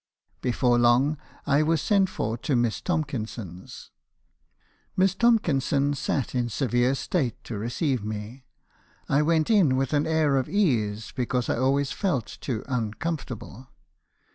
Before long I was sent for to Miss Tomkinson's. "Miss Tomkinson sat in severe state to receive me. I went in with an air of ease , because I always felt to uncomfortable.